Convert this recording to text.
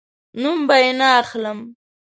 نوم به یې نه اخلم